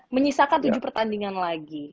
menyisakan tujuh pertandingan lagi